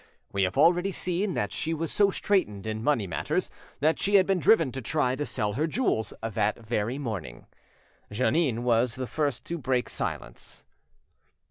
We have already seen that she was so straitened in money matters that she had been driven to try to sell her jewels that very, morning. Jeannin was the first to 'break silence.